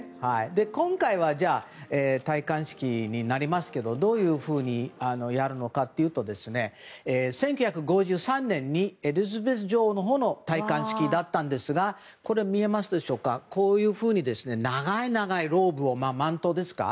今回は戴冠式になりますけどどういうふうにやるのかというと１９５３年、エリザベス女王の戴冠式だったんですが見えますでしょうかこういうふうに長いローブマントですか。